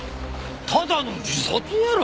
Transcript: ただの自殺やろ！